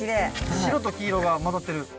白と黄色がまざってる。